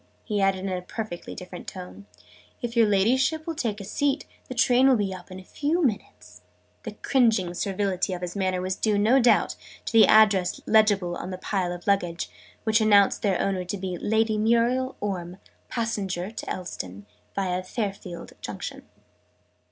he added in a perfectly different tone. "If your Ladyship will take a seat, the train will be up in a few minutes." The cringing servility of his manner was due, no doubt, to the address legible on the pile of luggage, which announced their owner to be "Lady Muriel Orme, passenger to Elveston, via Fayfield Junction."